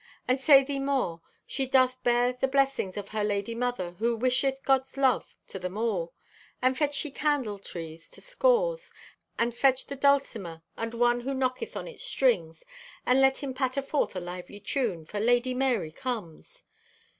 And say thee more, she doth bear the blessings of her Lady Mother who wisheth God's love to them all. And fetch ye candle trees to scores, and fetch the dulcimer and one who knocketh on its strings, and let him patter forth a lively tune, for Lady Marye comes.